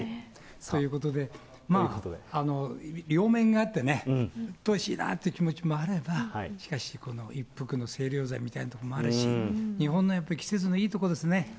そういうことで、まあ、両面があって、うっとうしいなという気持ちもあれば、しかし、この一服の清涼剤みたいなところもあるし、日本の季節のいいとこ